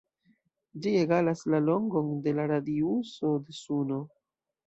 Ĝi egalas la longon de la radiuso de Suno.